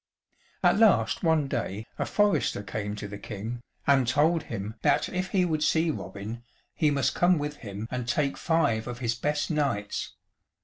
At last one day a forester came to the King, and told him that if he would see Robin he must come with him and take five of his best knights.